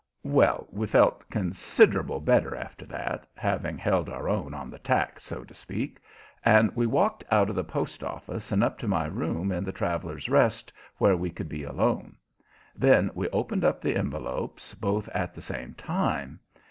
Well, we felt consider'ble better after that having held our own on the tack, so to speak and we walked out of the post office and up to my room in the Travellers' Rest, where we could be alone. Then we opened up the envelopes, both at the same time.